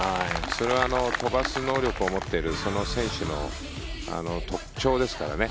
それは飛ばす能力を持っているその選手の特徴ですからね。